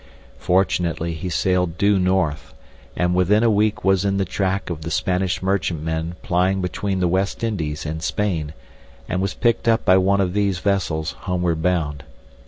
Fortunately he sailed due north, and within a week was in the track of the Spanish merchantmen plying between the West Indies and Spain, and was picked up by one of these vessels homeward bound.